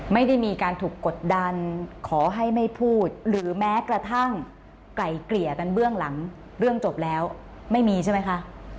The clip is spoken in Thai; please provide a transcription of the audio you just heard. ไม่ได้มีการถูกกดดันขอให้ไม่พูดหรือแม้กระทั่งไกล่เกลี่ยกันเบื้องหลังเรื่องจบแล้วไม่มีใช่ไหมคะ